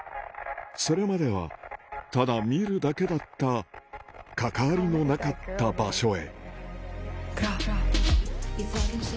それまではただ見るだけだった関わりのなかった場所へ。